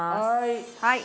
はい！